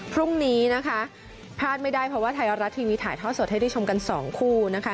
พรุ่งนี้พลาดไม่ได้เพราะว่าไทยรัฐทีวีถ่ายท่อสดให้ด้วยชมกัน๒คู่